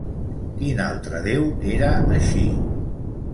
Quin altre déu era així?